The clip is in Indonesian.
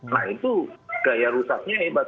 nah itu gaya rusaknya hebat